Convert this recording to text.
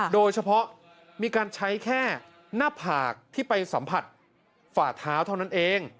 โดยเฉพาะมีการใช้แค่หน้าผากที่ไปสัมผัสฝ่าเท้าเท่านั้นเอง